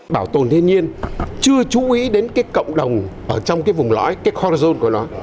bảo tồn thiên nhiên chưa chú ý đến cộng đồng ở trong vùng lõi cái horizon của nó